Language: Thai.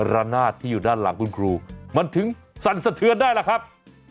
ระนาดที่อยู่ด้านหลังคุณครูมันถึงสั่นสะเทือนได้ล่ะครับ